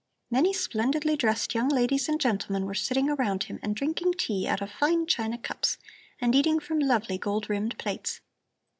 Many splendidly dressed young ladies and gentlemen were sitting around him and drinking tea out of fine china cups, and eating from lovely gold rimmed plates.